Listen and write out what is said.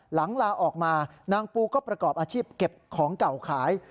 ลาออกมานางปูก็ประกอบอาชีพเก็บของเก่าขาย